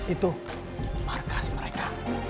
itu markas mereka